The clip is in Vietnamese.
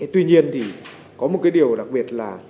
tuy nhiên thì có một cái điều đặc biệt là